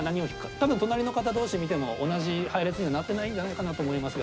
多分隣の方同士見ても同じ配列にはなってないんじゃないかなと思いますが。